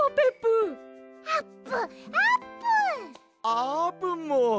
あーぷんも！